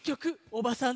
おばさん？